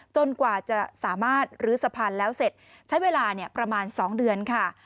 กว่าจะสามารถลื้อสะพานแล้วเสร็จใช้เวลาประมาณ๒เดือนค่ะ